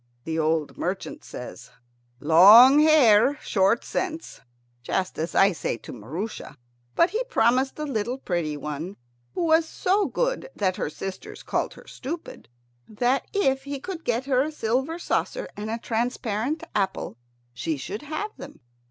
The old merchant says, "Long hair, short sense," just as I say to Maroosia; but he promised the little pretty one, who was so good that her sisters called her stupid, that if he could get her a silver saucer and a transparent apple she should have them.